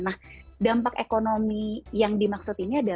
nah dampak ekonomi yang dimaksud ini adalah